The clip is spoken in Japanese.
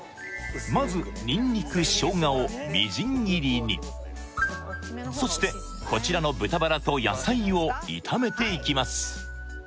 まずニンニクショウガをみじん切りにそしてこちらの豚バラと野菜を炒めていきます